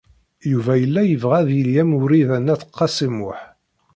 Yuba yella yebɣa ad yili am Wrida n At Qasi Muḥ.